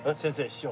師匠。